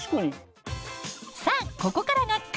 さあここからがクイズ！